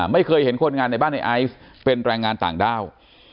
ไม่เคยเห็นคนงานในบ้านในไอซ์เป็นแรงงานต่างด้าว